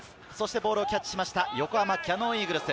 ボールをキャッチしました、横浜キヤノンイーグルス。